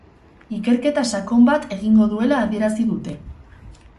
Ikerketa sakon bat egingo duela adierazi dute.